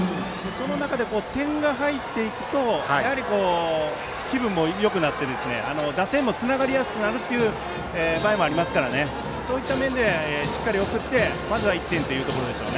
その中で点が入っていくと気分もよくなって打線もつながりやすくなる場合もありますからそういった面でしっかり送ってまずは１点というところでしょう。